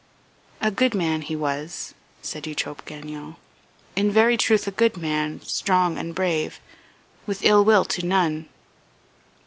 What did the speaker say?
"A good man he was," said Eutrope Gagnon, "in very truth a good man, strong and brave, with ill will to none.'